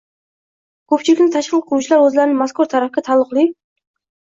ko‘pchilikni tashkil qiluvchilar o‘zlarini mazkur ta’rifga taalluqli